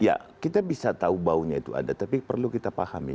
ya kita bisa tahu baunya itu ada tapi perlu kita pahami